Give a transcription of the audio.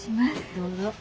どうぞ。